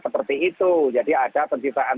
seperti itu jadi ada penciptaan